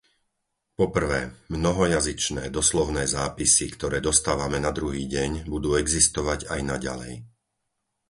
Po prvé, mnohojazyčné doslovné zápisy, ktoré dostávame na druhý deň, budú existovať aj naďalej.